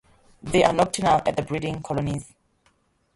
They are nocturnal at the breeding colonies.